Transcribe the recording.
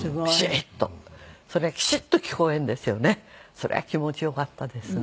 それは気持ち良かったですね。